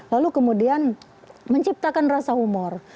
lalu kemudian menciptakan rasa humor